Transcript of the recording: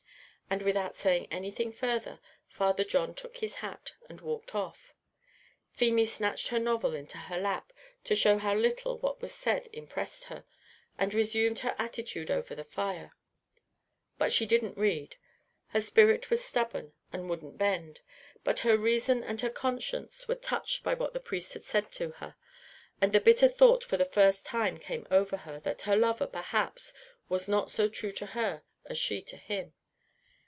And without saying anything further, Father John took his hat, and walked off. Feemy snatched her novel into her lap, to show how little what was said impressed her, and resumed her attitude over the fire. But she didn't read; her spirit was stubborn and wouldn't bend, but her reason and her conscience were touched by what the priest had said to her, and the bitter thought for the first time came over her, that her lover, perhaps, was not so true to her, as she to him.